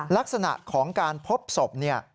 ลักษณะของการพบศพ